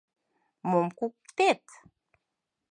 — Мом куктет?